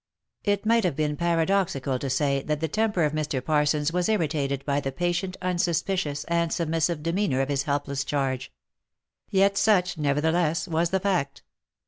n2 180 THE LIFE AND ADVENTURES It might seem paradoxical to say, that the temper of Mr. Parsons was irritated by the patient, unsuspicious, and submissive demeanour of his helpless charge; yet such, nevertheless, was the fact.